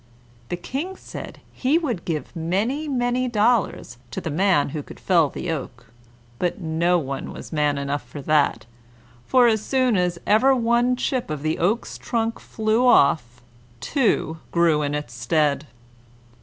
The King had said he would give many, many dollars to the man who could fell the oak, but no one was man enough for that, for as soon as ever one chip of the oak's trunk flew off, two grew in its stead.